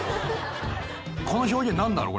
この表現何だろう？